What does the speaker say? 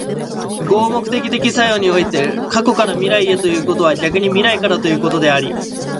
合目的的作用において、過去から未来へということは逆に未来からということであり、